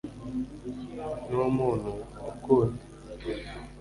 ni umuntu ukunda